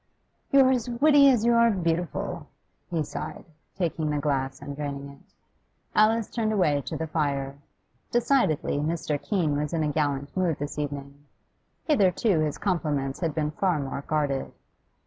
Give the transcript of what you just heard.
'You are as witty as you are beautiful!' he sighed, taking the glass and draining it. Alice turned away to the fire; decidedly Mr. Keene was in a gallant mood this evening; hitherto his compliments had been far more guarded.